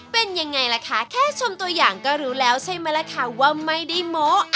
เป็นยังไงล่ะคะแค่ชมตัวอย่างก็รู้แล้วใช่ไหมล่ะค่ะว่าไม่ได้โม้